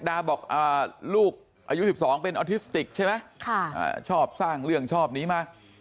ดาบอกลูกอายุ๑๒เป็นออทิสติกใช่ไหมชอบสร้างเรื่องชอบนี้มา